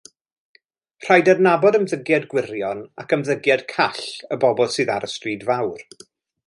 Rhaid adnabod ymddygiad gwirion ac ymddygiad call y bobl sydd ar y stryd fawr.